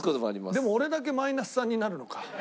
でも俺だけマイナス３になるのか。